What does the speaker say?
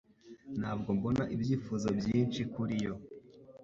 Ntabwo mbona ibyifuzo byinshi kuri yo.